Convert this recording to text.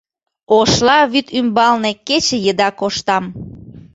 Ошла вӱд ӱмбалне кече еда коштам.